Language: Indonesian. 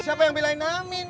siapa yang belain amin